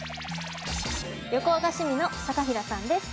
旅行が趣味の坂平さんです。